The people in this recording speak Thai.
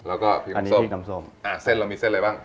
แล้วก็ผีมส้มอันนี้ผีมน้ำส้มอ๋อเส้นเรามีเส้นอะไรบ้าง